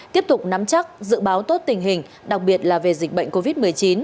tiếp tục nắm chắc dự báo tốt tình hình đặc biệt là về dịch bệnh covid một mươi chín